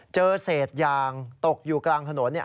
เจอเศษยางตกอยู่กลางถนน